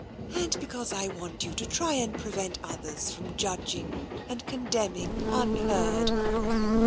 And because I want you to try and prevent others from judging and condemning unheard.